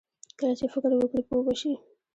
کله چې فکر وکړې، پوه به شې!